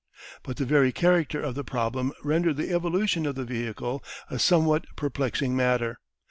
But the very character of the problem rendered the evolution of the vehicle a somewhat perplexing matter.